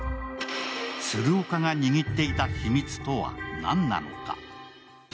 鶴岡が握っていた秘密とは何なのか。